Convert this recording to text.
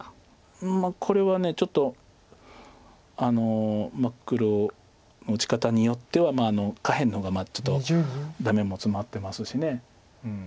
うんこれはちょっと黒の打ち方によっては下辺の方がちょっとダメもツマってますし。